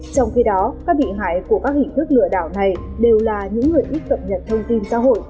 trong khi đó các bị hại của các hình thức lừa đảo này đều là những người ít cập nhật thông tin xã hội